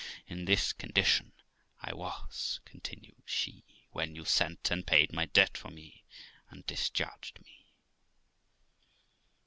"In this condition I was (continued she) when you sent and paid my debt for me, and discharged me."